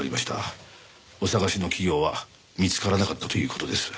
お探しの企業は見つからなかったという事です。